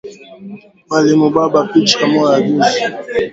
Balimubamba picha moya juzi